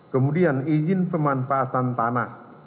kemudian izin pemanfaatan tanah